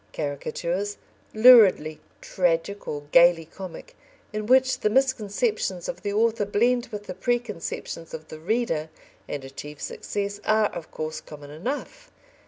Caricatures, luridly tragic or gaily comic, in which the misconceptions of the author blend with the preconceptions of the reader and achieve success, are, of course, common enough.